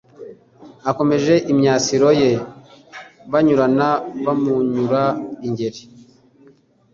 Akomeje imyasiro ye Banyurana ba Munyura-ngeri,